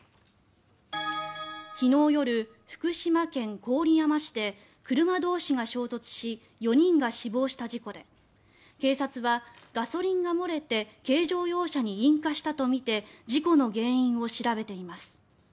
昨日夜、福島県郡山市で車同士が衝突し４人が死亡した事故で警察は、ガソリンが漏れて軽乗用車に引火したとみて事故の原因を調べています。